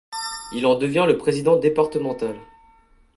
Il en devient le président départemental.